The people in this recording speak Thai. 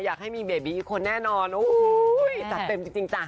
อยากให้มีเบบีอีกคนแน่นอนโอ้ยจัดเต็มจริงจ้ะ